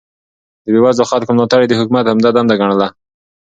د بې وزلو خلکو ملاتړ يې د حکومت عمده دنده ګڼله.